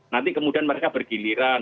nanti kemudian mereka bergiliran